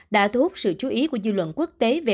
đã thu hút sự chú ý của dư luận quốc tế về